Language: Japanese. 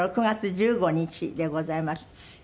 ６月１５日でございます。